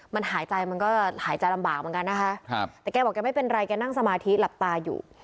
มันหายใจมันก็หายใจลำบากเหมือนกันนะคะครับแต่แกบอกแกไม่เป็นไรแกนั่งสมาธิหลับตาอยู่